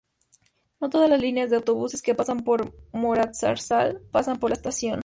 No todas las líneas de autobús que pasan por Moralzarzal pasan por la estación.